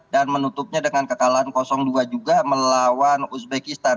dan menutupnya dengan kekalahan dua juga melawan uzbekistan